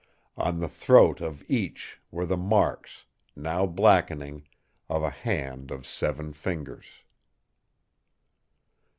"On the throat of each were the marks, now blackening, of a hand of seven fingers.